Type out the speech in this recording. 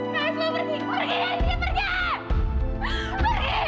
guys lo pergi pergi dari sini pergi